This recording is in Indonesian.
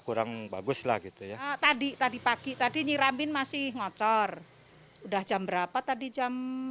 kurang bagus lah gitu ya tadi tadi pagi tadi nyiramin masih ngocor udah jam berapa tadi jam